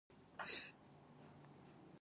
د زابل په کاکړ کې د سرو زرو نښې شته.